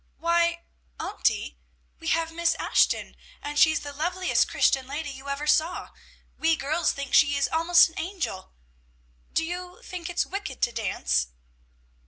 Why, auntie, we have Miss Ashton, and she's the loveliest Christian lady you ever saw. We girls think she is almost an angel! Do you think it's wicked to dance?"